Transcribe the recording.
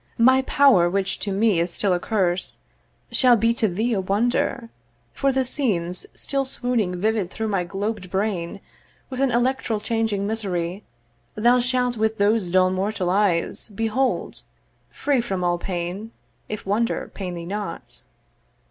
'My power, which to me is still a curse, 'Shall be to thee a wonder; for the scenes 'Still swooning vivid through my globed brain 'With an electral changing misery 'Thou shalt with those dull mortal eyes behold, 'Free from all pain, if wonder pain thee not.'